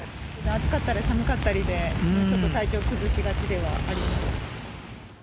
暑かったり寒かったりで、ちょっと体調崩しがちではあります。